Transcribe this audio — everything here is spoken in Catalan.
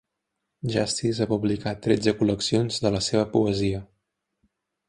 Justice va publicar tretze col·leccions de la seva poesia.